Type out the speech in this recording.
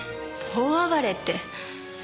大暴れって。